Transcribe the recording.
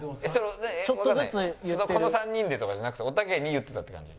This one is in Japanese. この３人でとかじゃなくておたけに言ってたって感じ？